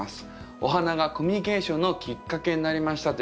お花がコミュニケーションのきっかけになりました」ということで。